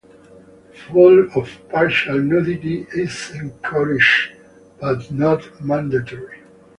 Full or partial nudity is encouraged, but not mandatory.